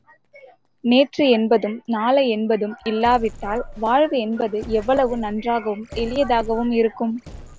நேற்று என்பதும் நாளை என்பதும் இல்லாவிட்டால் வாழ்வு என்பது எவ்வளவு நன்றாகவும் எளியதாகவும் இருக்கும்.